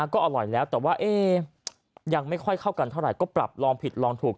ก็อร่อยแล้วแต่ว่ายังไม่ค่อยเข้ากันเท่าไหร่ก็ปรับลองผิดลองถูก